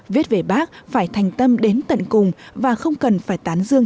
viết về bác phải thành tâm đến tận cùng và không cần phải tán dương